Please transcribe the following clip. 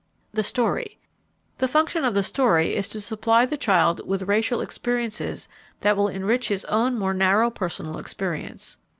The Story. The function of the story is to supply the child with racial experiences that will enrich his own more narrow personal experience.